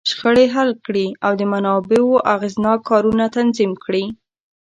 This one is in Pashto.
شخړې حل کړي، او د منابعو اغېزناک کارونه تنظیم کړي.